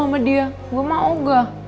sama dia gue mau gak